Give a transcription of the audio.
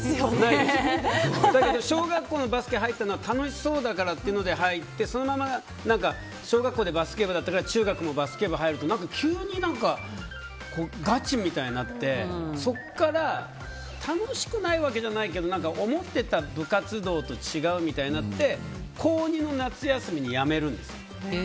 だけど小学校のバスケに入ったのは楽しそうだからっていうので入ってそのまま小学校でバスケットだったから中学でもバスケ部入ったら何か急にガチみたいになってそこから楽しくないわけじゃないけど思ってた部活動と違うみたいになって高２の夏休みに辞めるんです。